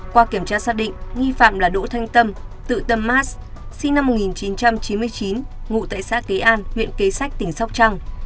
qua kiểm tra xác định nghi phạm là đỗ thanh tâm tự tâm mas sinh năm một nghìn chín trăm chín mươi chín ngụ tại xã kế an huyện kế sách tỉnh sóc trăng